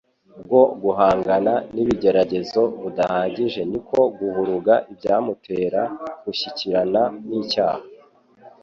bwo guhangana n'ibigeragezo budahagije niko guhuruga ibyamutera gushyikirana n'icyaha